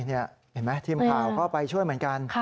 นี่ยายทีมข่าวก็ไปช่วยเหมือนกัน